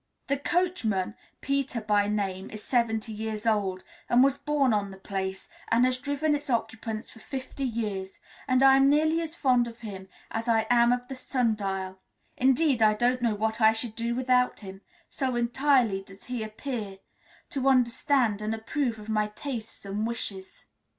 This coachman, Peter by name, is seventy years old, and was born on the place, and has driven its occupants for fifty years, and I am nearly as fond of him as I am of the sun dial; indeed, I don't know what I should do without him, so entirely does he appear to understand and approve of my tastes and wishes.